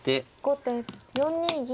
後手４二銀。